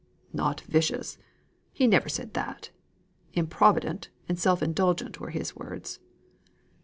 "Not vicious; he never said that. Improvident and self indulgent were his words."